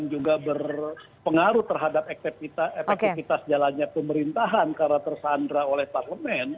jadi kalau soal